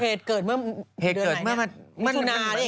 เพจเกิดเมื่อเดือนไหนเนี่ย